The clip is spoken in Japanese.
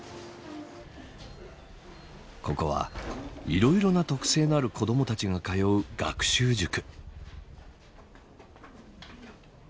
ここはいろいろな特性のある子どもたちが通う学習塾。